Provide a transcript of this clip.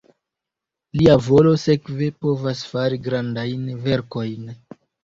Lia volo sekve povas fari grandajn verkojn.